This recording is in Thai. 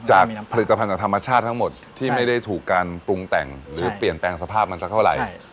จากผลิตภัณฑ์จากธรรมชาติทั้งหมดที่ไม่ได้ถูกการปรุงแต่งหรือเปลี่ยนแปลงสภาพมันสักเท่าไหร่